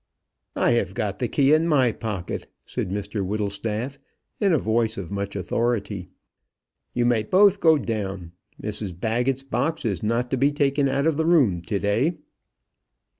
"I have got the key in my pocket," said Mr Whittlestaff, in a voice of much authority. "You may both go down. Mrs Baggett's box is not to be taken out of that room to day."